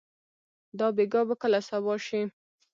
دا بېګا به کله صبا شي؟